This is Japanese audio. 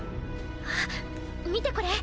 あっ見てこれ。